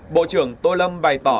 bộ trưởng tô lâm bày tỏ